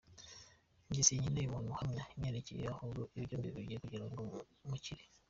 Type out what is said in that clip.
Jye sinkeneye umuntu uhamya ibinyerekeyeho, ahubwo ibyo mbivugiye kugira ngo mukire.